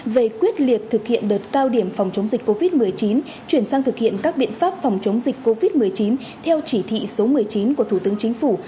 về quyết liệt thực hiện đợt cao điểm phòng chống dịch covid một mươi chín chuyển sang thực hiện các biện pháp phòng chống dịch covid một mươi chín theo chỉ thị số một mươi chín của thủ tướng chính phủ